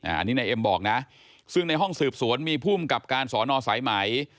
อันนี้นายเอ็มบอกนะซึ่งในห้องสืบสวนมีภูมิกับการสอนอสายไหม